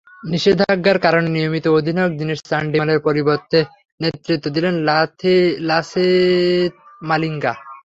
নিষেধাজ্ঞার কারণে নিয়মিত অধিনায়ক দিনেশ চান্ডিমালের পরিবর্তে নেতৃত্ব দিলেন লাসিথ মালিঙ্গা।